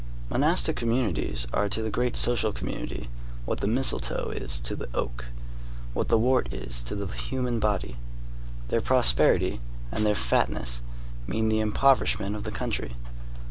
Monastic communities are to the great social community what the mistletoe is to the oak, what the wart is to the human body. Their prosperity and their fatness mean the impoverishment of the country.